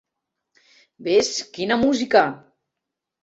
Ves, quina música!